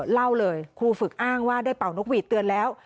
เล่าเลยครูฝึกอ้างว่าได้เป่านกหวีดเตือนแล้ว